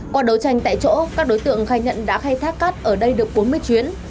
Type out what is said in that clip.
qua đấu tranh tại chỗ các đối tượng khai nhận đã khai thác cát ở đây được bốn mươi chuyến